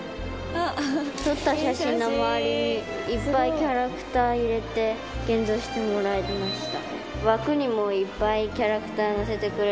撮った写真の周りにいっぱいキャラクター入れて現像してもらいました。